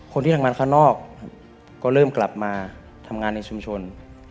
ก็เริ่มกลับมาทำงานในชุมชน